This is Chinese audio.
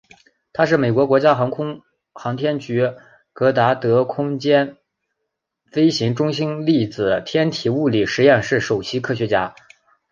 他是美国国家航空航天局戈达德空间飞行中心粒子天体物理实验室首席科学家。